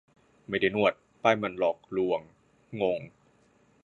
ไม่ได้นวด ป้ายมันหลอกลวงงง